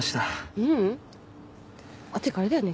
ううんっていうかあれだよね